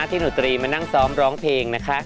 หนูตรีมานั่งซ้อมร้องเพลงนะคะ